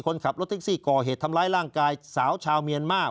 คนขับรถแท็กซี่ก่อเหตุทำร้ายร่างกายสาวชาวเมียนมา